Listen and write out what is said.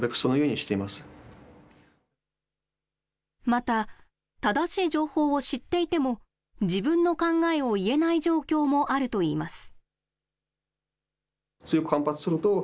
また、正しい情報を知っていても、自分の考えを言えない状況もあるといいます。